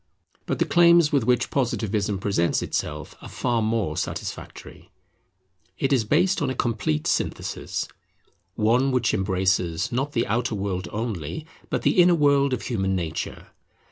But the claims with which Positivism presents itself are far more satisfactory. It is based on a complete synthesis; one which embraces, not the outer world only, but the inner world of human nature.